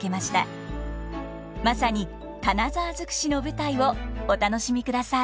まさに金沢尽くしの舞台をお楽しみください。